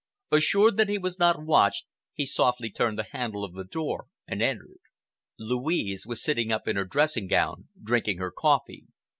Assured that he was not watched, he softly turned the handle of the door and entered. Louise was sitting up in her dressing gown, drinking her coffee.